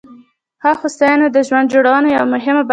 ښه هوساینه د ژوند جوړونې یوه مهمه برخه ده.